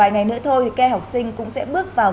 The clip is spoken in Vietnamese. ngày nữa thôi thì khe học sinh cũng sẽ bước vào